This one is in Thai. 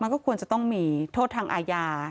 ก็ควรจะต้องมีโทษทางอาญา